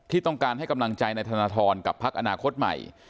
ที่ต้องการให้กำลังใจในธนธรรมกับภักดิ์อนาคตใหม่